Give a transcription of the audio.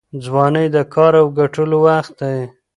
ځواني د کار او ګټلو وخت دی.